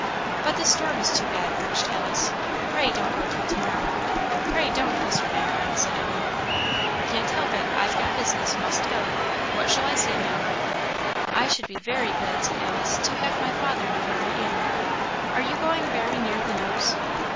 "But the storm is too bad," urged Alice. "Pray don't go till to morrow." "Pray don't, Mr. Van Brunt," said Ellen. "Can't help it; I've got business must go. What shall I say, Maam?" "I should be very glad," said Alice, "to have my father know where I am. Are you going very near the Nose?"